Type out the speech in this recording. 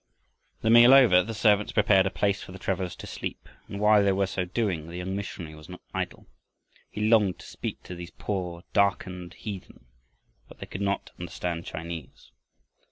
The meal over the servants prepared a place for the travelers to sleep, and while they were so doing, the young missionary was not idle. He longed to speak to these poor, darkened heathen, but they could not understand Chinese.